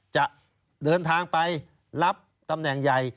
จะเดินทางไปรับตำแหน่งใหญ่